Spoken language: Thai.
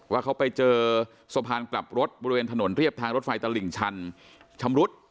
ว่าเขาไปเจอสะพานกลับรถบริเวณถนนเรียบทางรถไฟตลิ่งชันชำรุด